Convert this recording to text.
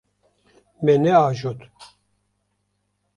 Me neajot.